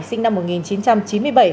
sinh năm một nghìn chín trăm chín mươi bảy